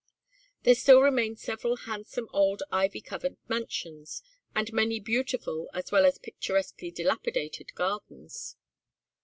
There still remained several handsome old ivy covered mansions, and many beautiful as well as picturesquely dilapidated gardens.